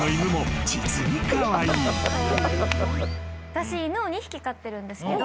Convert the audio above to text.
私犬を２匹飼ってるんですけど。